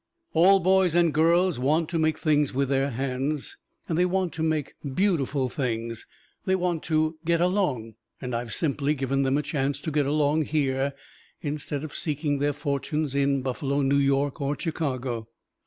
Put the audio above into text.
All boys and girls want to make things with their hands, and they want to make beautiful things, they want to "get along," and I've simply given them a chance to get along here, instead of seeking their fortunes in Buffalo, New York or Chicago.